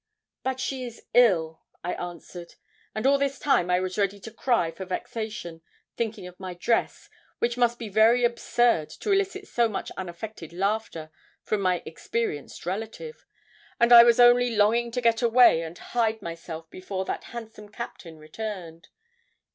'But she is ill,' I answered, and all this time I was ready to cry for vexation, thinking of my dress, which must be very absurd to elicit so much unaffected laughter from my experienced relative, and I was only longing to get away and hide myself before that handsome Captain returned.